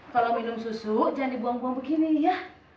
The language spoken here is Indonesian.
kalau minum susu jangan dibuang buang begini ya